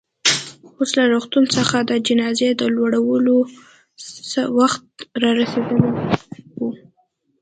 اوس له روغتون څخه د جنازې د وړلو وخت رارسېدلی و.